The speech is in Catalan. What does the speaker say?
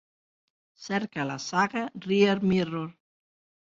Cerca la saga Rear Mirror.